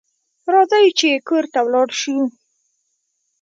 راځئ چې کور ته ولاړ شو